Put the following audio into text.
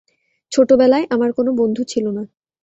ছোটবেলায়, আমার কোন বন্ধু ছিল না।